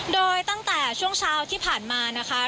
โดยตั้งแต่ช่วงเช้าที่ผ่านมานะคะ